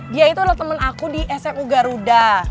dia itu adalah teman aku di smu garuda